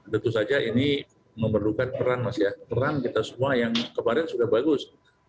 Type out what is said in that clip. tentu saja ini memerlukan peran mas ya peran kita semua yang kemarin sudah bagus